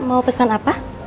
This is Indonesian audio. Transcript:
mau pesan apa